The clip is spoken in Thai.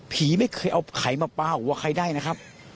ไม่เคยเอาไขมาปลาหัวใครได้นะครับ